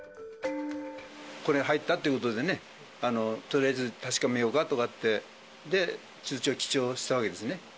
これ、入ったっていうことでね、とりあえず確かめようかとかって、で、通帳記帳したわけですね。